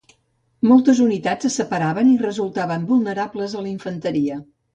Moltes unitats se separaven i resultaven vulnerables a la infanteria.